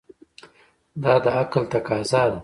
دا د عقل تقاضا ده.